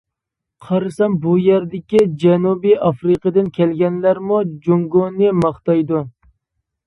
قارىسام بۇ يەردىكى جەنۇبىي ئافرىقىدىن كەلگەنلەرمۇ جۇڭگونى ماختايدۇ.